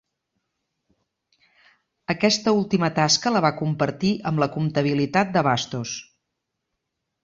Aquesta última tasca la va compartir amb la comptabilitat d’Abastos.